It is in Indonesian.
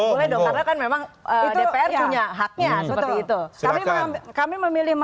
karena kan memang dpr punya haknya seperti itu